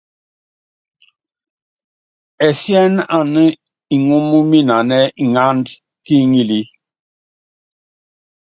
Ɛsien ana ŋúm minanɛ ŋánd ki ŋilí.